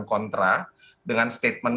kontra dengan statement